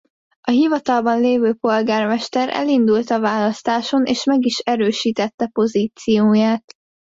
A hivatalban lévő polgármester elindult a választáson és meg is erősítette pozícióját.